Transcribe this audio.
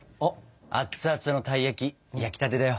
「アッツアツのたい焼き焼きたてだよ」。